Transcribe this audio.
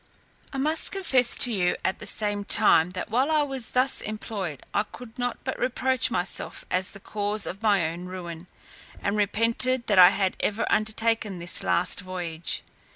I must confess to you at the same time, that while I was thus employed, I could not but reproach myself as the cause of my own ruin, and repented that I had ever undertaken this last voyage.